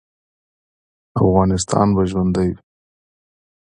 افغانستان به ژوندی وي